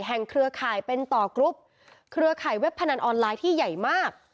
เครือข่ายเป็นต่อกรุ๊ปเครือข่ายเว็บพนันออนไลน์ที่ใหญ่มาก